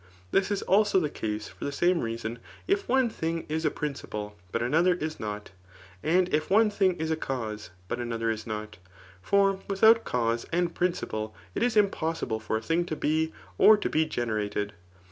This is also the dise^ for the same reason, if one thing is a prmciple, but another is not ; and if one thin^ is a causey but another is not. For without cause and principle it i$ impossible for a thing to be, or to be generated.